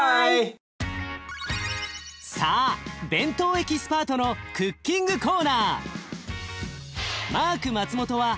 さあ弁当エキスパートのクッキングコーナー。